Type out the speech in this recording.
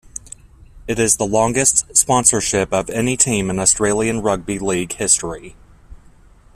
It is the longest sponsorship of any team in Australian Rugby League history.